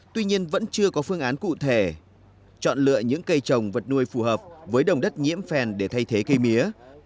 tuy nhiên vẫn chưa có phương án cụ thể chọn lựa những cây trồng vật nuôi phù hợp với đồng đất nhiễm phèn để thay thế cây mía